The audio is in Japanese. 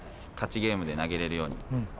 ゲームで投げれるように頑張ります。